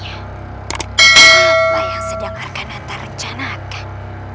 sebenarnya apa yang sedang arkhanata rencanakan